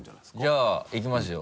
じゃあいきますよ。